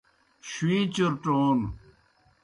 شُویں چُرٹون